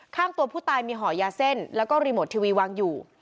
ข้างตัวผู้ตายมีห่อยาเส้นแล้วก็รีโมททีวีวางอยู่